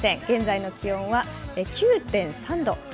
現在の気温は９．３度。